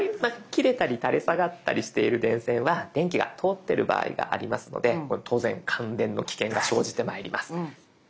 切れたり垂れ下がったりしている電線は電気が通ってる場合がありますのでこれ当然感電の危険が生じてまいります。